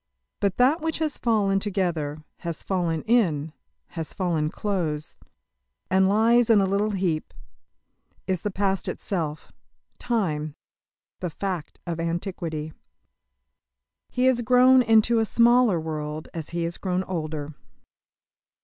But that which has fallen together, has fallen in, has fallen close, and lies in a little heap, is the past itself time the fact of antiquity. He has grown into a smaller world as he has grown older.